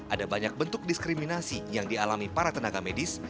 ada banyak bentuk diskriminasi yang dialami para tenaga medis